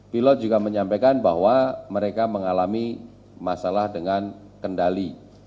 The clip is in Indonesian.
pilot juga menyampaikan bahwa mereka mengalami masalah dengan kendali